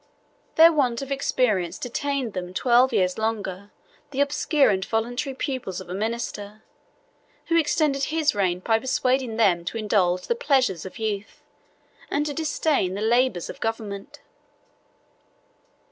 Their want of experience detained them twelve years longer the obscure and voluntary pupils of a minister, who extended his reign by persuading them to indulge the pleasures of youth, and to disdain the labors of government.